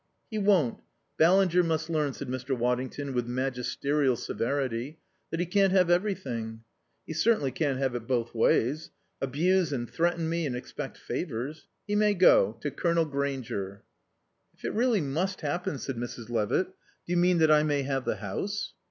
"He won't. Ballinger must learn," said Mr. Waddington with magisterial severity, "that he can't have everything. He certainly can't have it both ways. Abuse and threaten me and expect favours. He may go ... to Colonel Grainger." "If it really must happen," said Mrs. Levitt, "do you mean that I may have the house?"